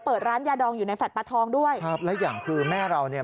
เปิดร้านยาดองอยู่ในแฟลตปลาทองด้วยครับและอย่างคือแม่เราเนี่ย